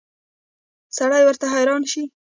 سړی ورته حیران شي.